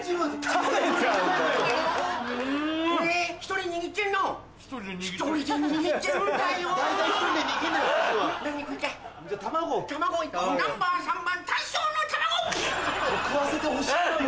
食わせてほしいのよ。